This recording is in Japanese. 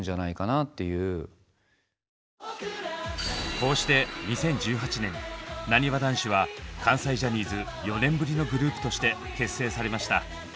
こうして２０１８年「なにわ男子」は関西ジャニーズ４年ぶりのグループとして結成されました。